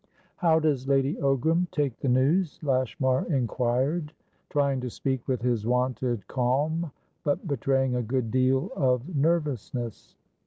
"How does Lady Ogram take the news?" Lashmar inquired, trying to speak with his wonted calm, but betraying a good deal of nervousness.